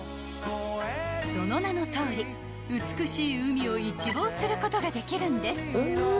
［その名のとおり美しい海を一望することができるんです］